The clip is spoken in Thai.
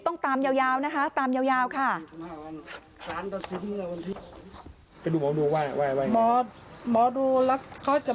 สองสามีภรรยาคู่นี้มีอาชีพ